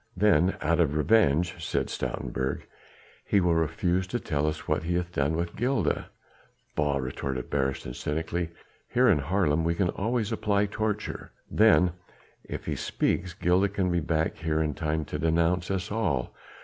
"Then, out of revenge," said Stoutenburg, "he will refuse to tell us what he hath done with Gilda." "Bah!" retorted Beresteyn cynically, "here in Haarlem we can always apply torture." "Then, if he speaks, Gilda can be back here in time to denounce us all.